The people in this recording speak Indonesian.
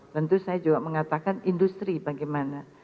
tentu saya juga mengatakan industri bagaimana